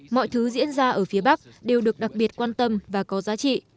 mọi thứ diễn ra ở phía bắc đều được đặc biệt quan tâm và có giá trị